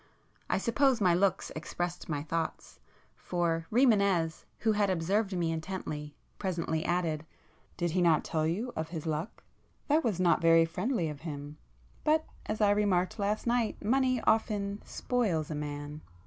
I suppose my looks expressed my thoughts, for Rimânez, who had observed me intently, presently added— "Did he not tell you of his luck? That was not very friendly of him—but as I remarked last night, money often spoils a man."